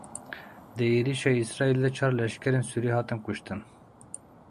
Di êrişa Îsraîlê de çar leşkerên Sûrî hatin kuştin.